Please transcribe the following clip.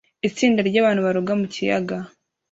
Itsinda ryabantu baroga mu kiyaga